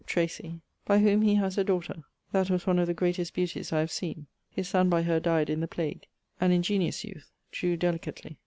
Tracy, by whom he haz a daughter, that was one of the greatest beauties I have seen; his son by her dyed in the plague, an ingeniose youth, drew delicately.